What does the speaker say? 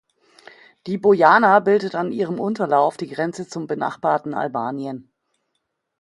Die Bojana bildet an ihrem Unterlauf die Grenze zum benachbarten Albanien.